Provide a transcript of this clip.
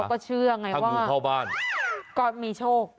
ก็เชื่อไงว่าก็มีโชค